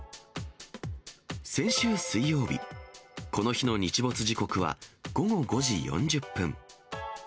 先週水曜日、この日の日没時刻は午後５時４０分。